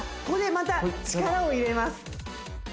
ここでまた力を入れます